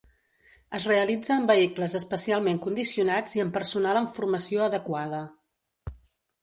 Es realitza amb vehicles especialment condicionats i amb personal amb formació adequada.